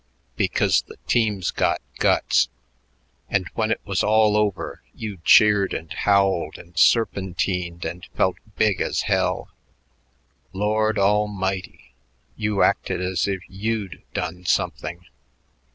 Because the team's got guts. And when it was all over, you cheered and howled and serpentined and felt big as hell. Lord Almighty! you acted as if you'd done something."